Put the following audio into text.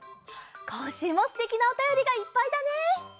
こんしゅうもすてきなおたよりがいっぱいだね。